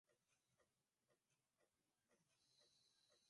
hiyo ndiyo ilikuwa safari pekee ya mjengo wa titanic